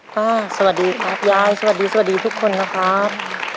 ป้าสวัสดีครับย้ายสวัสดีทุกคนนะครับ